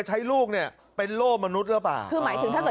ใช้ลูกเนี่ยเป็นโล่มนุษย์หรือเปล่าคือหมายถึงถ้าเกิด